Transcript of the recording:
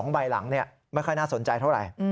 ใบหลังไม่ค่อยน่าสนใจเท่าไหร่